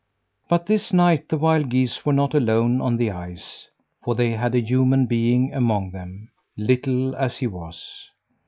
But this night the wild geese were not alone on the ice, for they had a human being among them little as he was.